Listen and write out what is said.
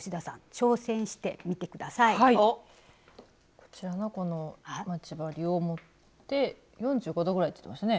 こちらのこの待ち針を持って４５度ぐらいって言ってましたね。